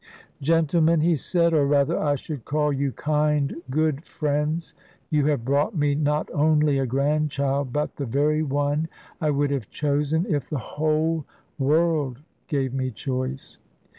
"Gentlemen," he said, "or rather I should call you kind good friends, you have brought me not only a grandchild, but the very one I would have chosen if the whole world gave me choice.